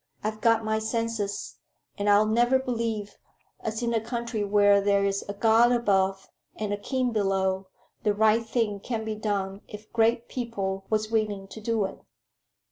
I've got my senses, and I'll never believe as in a country where there's a God above and a king below, the right thing can't be done if great people was willing to do it."